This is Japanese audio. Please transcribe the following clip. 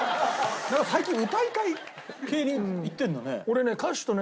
最近歌いたい系にいってるんだね。